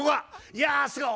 いやすごい。